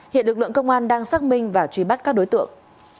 hiện lực lượng công an đang xác minh và truy bắt các đối tượng